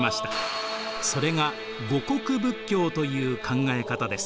それが護国仏教という考え方です。